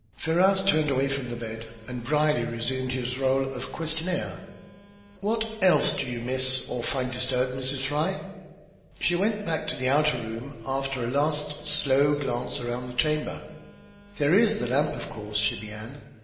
Ferrars turned away from the bed, and Brierly resumed his rôle of questioner. "What else do you miss or find disturbed, Mrs. Fry?" She went back to the outer room after a last slow glance about the chamber. "There is the lamp, of course," she began.